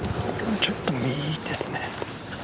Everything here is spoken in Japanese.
ちょっと右ですね。